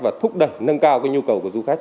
và thúc đẩy nâng cao cái nhu cầu của du khách